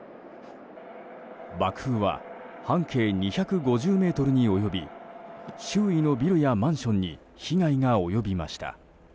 爆風は半径２５０ｍに及び周囲のビルやマンションに被害が及びました。